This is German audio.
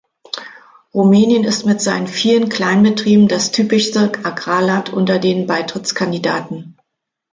Rumänien ist mit seinen vielen Kleinbetrieben das typischste Agrarland unter den Beitrittskandidaten.